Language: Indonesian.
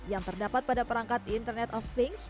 yang terdapat pada perangkat internet of things